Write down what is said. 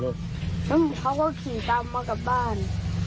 แล้วเขาก็ขี่ตามมากลับบ้าน